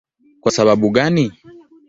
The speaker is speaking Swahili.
Kwa sababu gani?